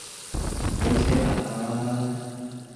唔好車大炮啦